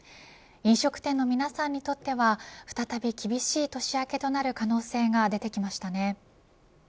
飲食店の皆さんにとっては再び厳しい年明けとなる可能性が出てきましたね。